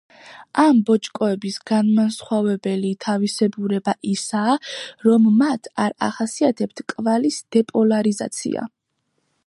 ამ ბოჭკოების განმასხვავებელი თავისებურება ისაა, რომ მათ არ ახასიათებთ კვალის დეპოლარიზაცია.